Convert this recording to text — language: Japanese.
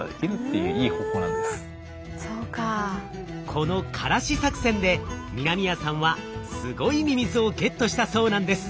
このカラシ作戦で南谷さんはすごいミミズをゲットしたそうなんです。